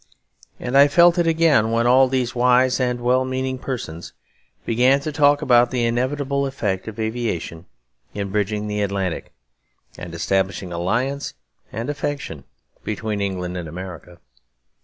And I felt it again when all these wise and well meaning persons began to talk about the inevitable effect of aviation in bridging the Atlantic, and establishing alliance and affection between England and America.